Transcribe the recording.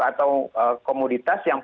atau minyak goreng